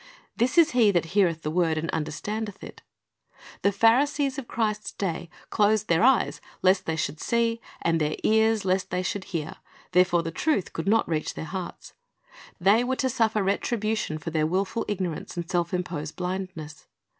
"' This "is he that heareth the word, and understandeth it." The Pharisees of Christ's day closed their eyes lest they should see, and their ears lest they should hear; therefore the truth could not reach their hearts. They were to suffer retribution for their wilful ignorance and self imposed blindness.